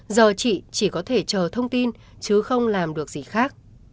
giờ chị chỉ có thể chờ thông tin chứ không làm được gì khác